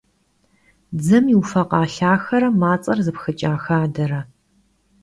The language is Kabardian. Dzem yiufekha lhaxere mats'er zıpxıç'a xadere.